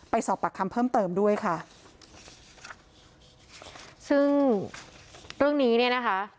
สอบปากคำเพิ่มเติมด้วยค่ะซึ่งเรื่องนี้เนี่ยนะคะ